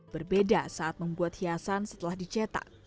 berbeda saat membuat hiasan setelah dicetak